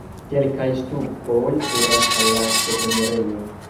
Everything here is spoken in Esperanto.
Kelkaj ŝtupoj kuras al la ĉefenirejo.